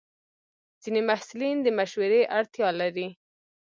ځینې محصلین د مشورې اړتیا لري.